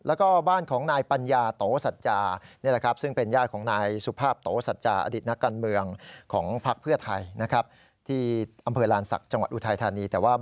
แล้วก็บ้านของนายปัญญาโตสัจจา